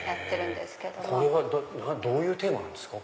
これはどういうテーマですか？